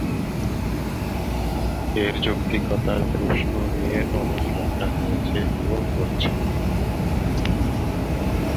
এর যৌক্তিকতার প্রশ্ন নিয়ে অনেক লেখা হয়েছে ও হচ্ছে।